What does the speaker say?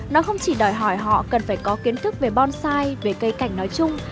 nó không chỉ đòi hỏi họ cần phải có kiến thức về bonsai về cây cảnh nói chung